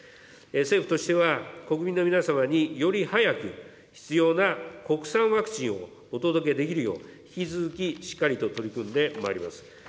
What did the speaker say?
政府としては国民の皆様により早く必要な国産ワクチンをお届けできるよう、引き続きしっかりと取り組んでまいります。